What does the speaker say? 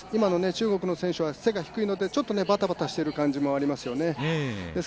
中国の選手は背が低いのでちょっとバタバタしている感じもありますよね。